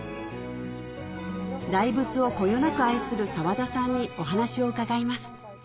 大仏をこよなく愛する沢田さんにお話を伺います